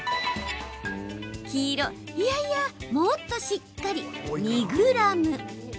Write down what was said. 黄色・いやいや、もっとしっかり２ｇ。